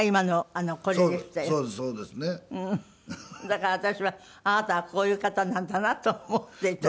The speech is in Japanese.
だから私はあなたはこういう方なんだなと思っていた。